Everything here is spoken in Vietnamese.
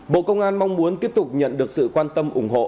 bộ công an mong muốn tiếp tục nhận được sự quan tâm ủng hộ